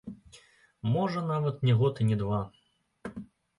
Можа, нават не год і не два.